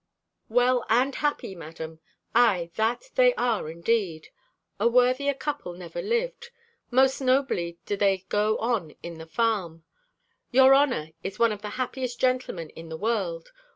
"Well and happy, Madam; ay, that they are, indeed! A worthier couple never lived. Most nobly do they go on in the farm. Your honour is one of the happiest gentlemen in the world.